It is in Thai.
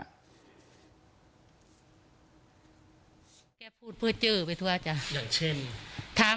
กูเป็นไภนะกูเป็นไภกูก็บอกพ้อยอยู่แล้วส่าน